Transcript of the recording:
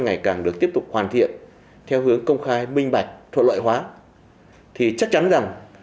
ngày càng được tiếp tục hoàn thiện theo hướng công khai minh bạch thuận loại hóa